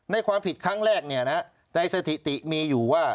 ในความผิดครั้งแรกในสถิติมีอยู่ว่า